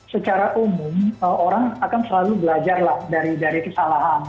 secara umum orang akan selalu belajar lah dari kesalahan